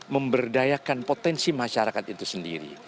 memberdayakan potensi masyarakat itu sendiri